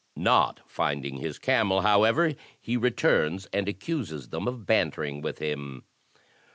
Not finding his camel, however, he returns and accuses them of bantering with him.